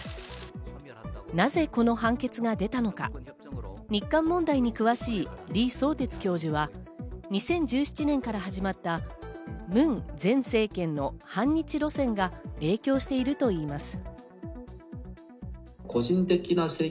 なぜこの判決が出たのか、日韓問題に詳しい、リ・ソウテツ教授は２０１７年から始まった、ムン前政権の反日路線が影響しているといいます。